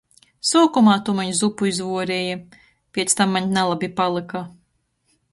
Suokumā tu maņ zupu izvuorieji, piec tam maņ nalabi palyka...